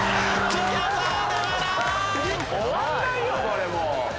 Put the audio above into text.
これもう。